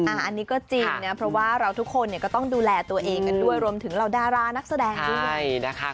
อันนี้ก็จริงนะเพราะว่าเราทุกคนเนี่ยก็ต้องดูแลตัวเองกันด้วยรวมถึงเหล่าดารานักแสดงด้วยนะคะ